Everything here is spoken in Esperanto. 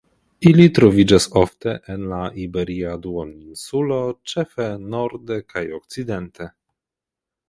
Ili troviĝas ofte en la Iberia Duoninsulo ĉefe norde kaj okcidente.